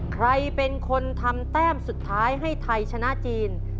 ใครเป็นคนทำแต้มสุดท้ายให้ไทยชนะจีน